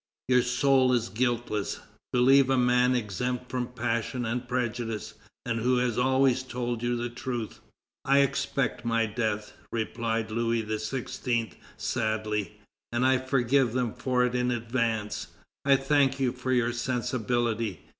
Your soul is guiltless; believe a man exempt from passion and prejudice, and who has always told you the truth." "I expect my death," replied Louis XVI. sadly, "and I forgive them for it in advance. I thank you for your sensibility.